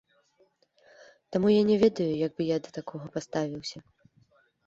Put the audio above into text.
Таму я не ведаю, як бы я да такога паставіўся.